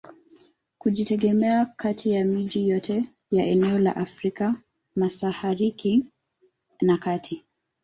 Kujitegemea kati ya miji yote ya eneo la Afrika masahariki na kati